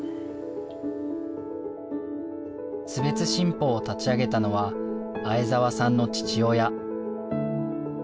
津別新報を立ち上げたのは相沢さんの父親。